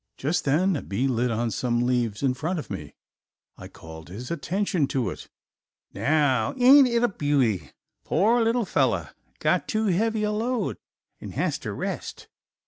Just then a bee lit on some leaves in front of me. I called his attention to it. "Now ain't it a beauty? Poor little fellow; got too heavy a load an' has to rest.